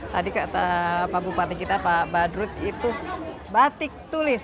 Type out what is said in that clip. tadi kata pak bupati kita pak badrut itu batik tulis